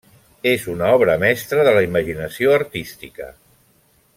És una obra mestra de la imaginació artística.